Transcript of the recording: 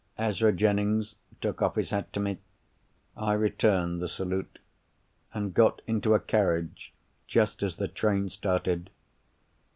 Ezra Jennings took off his hat to me. I returned the salute, and got into a carriage just as the train started.